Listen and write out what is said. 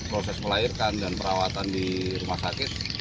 proses melahirkan dan perawatan di rumah sakit